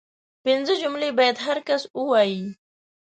پنځه جملې باید هر کس ووايي